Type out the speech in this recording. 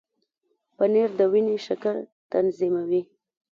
پنېر د وینې شکر تنظیموي.